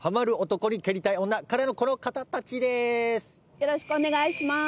「よろしくお願いします」